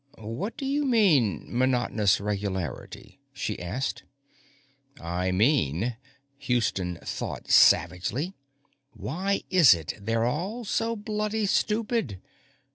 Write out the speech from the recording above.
What do you mean, "monotonous regularity"? she asked. I mean, Houston thought savagely, _why is it they're all so bloody stupid?